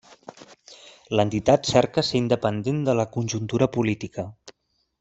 L'entitat cerca ser independent de la conjuntura política.